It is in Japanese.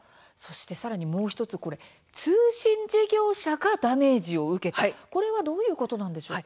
さらに、もう１つ通信事業者がダメージを受けたこれはどういうことなんでしょうか。